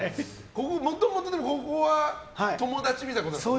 もともとここは友達みたいなことですか？